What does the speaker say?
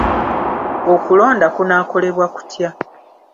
Okulonda kunaakolebwa kutya?